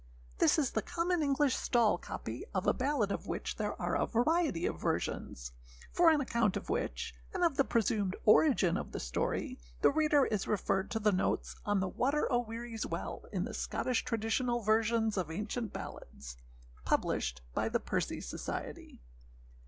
[THIS is the common English stall copy of a ballad of which there are a variety of versions, for an account of which, and of the presumed origin of the story, the reader is referred to the notes on the Water oâ Wearieâs Well, in the Scottish Traditional Versions of Ancient Ballads, published by the Percy Society.